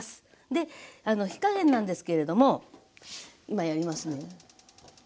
であの火加減なんですけれども今やりますね。